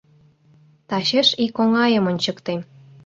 Тачеш ик оҥайым ончыктем...